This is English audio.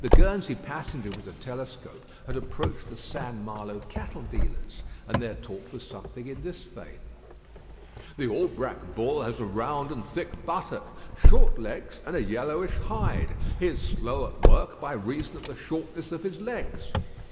The Guernsey passenger with the telescope had approached the St. Malo cattle dealers; and their talk was something in this vein: "The Aubrac bull has a round and thick buttock, short legs, and a yellowish hide. He is slow at work by reason of the shortness of his legs."